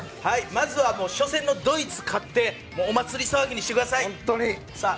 まずは初戦のドイツに勝手お祭り騒ぎにしてください。